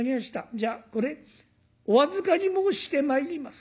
じゃあこれお預かり申してまいります」。